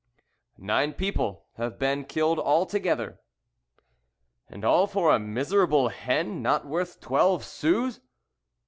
"Nine people have been killed altogether." "And all for a miserable hen not worth twelve sous?"